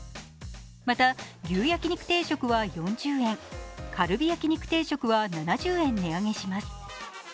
また牛焼肉定食は４０円、カルビ焼肉定食は７０円値上げします。